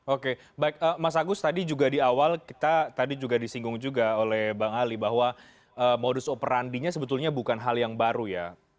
oke baik mas agus tadi juga di awal kita tadi juga disinggung juga oleh bang ali bahwa modus operandinya sebetulnya bukan hal yang baru ya